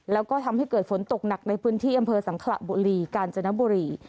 แล้วก็ทำให้เกิดฝนตกหนักในพื้นที่อำเภอสังขระบุรีกาญจนบุรี